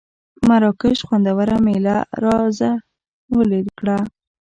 مراکش خوندوره مېله را زهرژلې کړه.